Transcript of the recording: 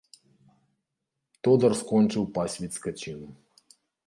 Тодар скончыў пасвіць скаціну.